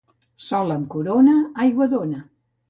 Sol amb corona, aigua dóna.